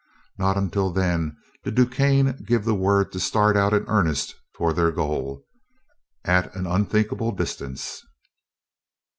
Not until then did DuQuesne give the word to start out in earnest toward their goal, at an unthinkable distance.